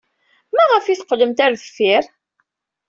Maɣef ay teqqlemt ɣer deffir?